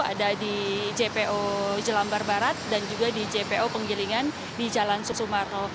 ada di jpu jelambar barat dan juga di jpu pengjelingan di jalan susumarto